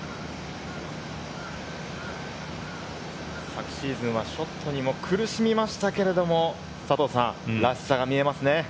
昨シーズンはショットにも苦しみましたけれど、らしさが見えますね。